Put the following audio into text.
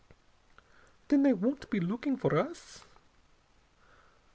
"Then they won't be looking for us?"